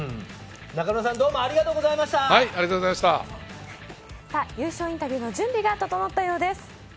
どうもありがとうござい優勝インタビューの準備が整ったようです。